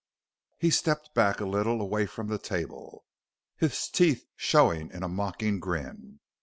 He stepped back a little, away from the table, his teeth showing in a mocking grin.